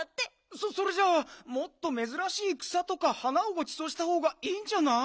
そっそれじゃあもっとめずらしい草とか花をごちそうしたほうがいいんじゃない？